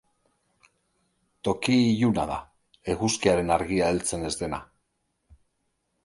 Toki iluna da, eguzkiaren argia heltzen ez dena.